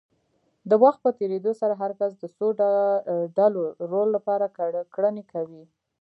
د وخت په تېرېدو سره هر کس د څو ډوله رول لپاره کړنې کوي.